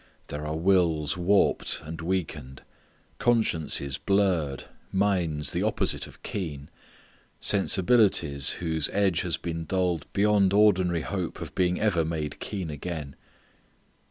There are wills warped and weakened; consciences blurred; minds the opposite of keen, sensibilities whose edge has been dulled beyond ordinary hope of being ever made keen again.